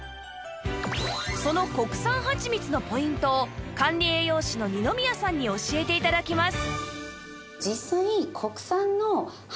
その国産はちみつのポイントを管理栄養士の二宮さんに教えて頂きます